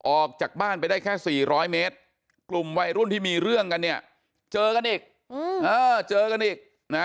ออกจากบ้านไปได้แค่๔๐๐เมตรกลุ่มวัยรุ่นที่มีเรื่องกันเนี่ยเจอกันอีกเจอกันอีกนะ